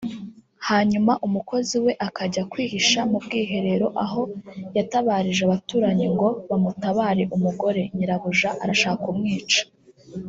hanyuma umukozi we akajya kwihisha mu bwiherero aho yatabarije abaturanyi ngo bamutabare umugore [Nyirabuja] arashaka kumwica